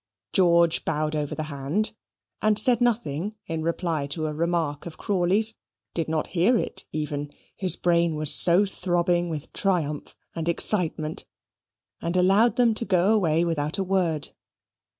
George bowed over the hand, said nothing in reply to a remark of Crawley's, did not hear it even, his brain was so throbbing with triumph and excitement, and allowed them to go away without a word.